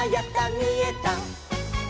みえた！」